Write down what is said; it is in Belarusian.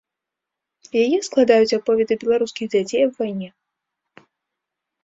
Яе складаюць аповеды беларускіх дзяцей аб вайне.